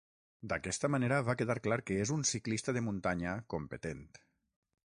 D'aquesta manera, va quedar clar que és un ciclista de muntanya competent.